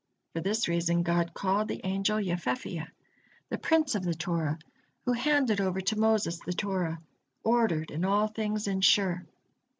For this reason God called the angel Yefefiyah, the prince of the Torah, who handed over to Moses the Torah, "ordered in all things and sure."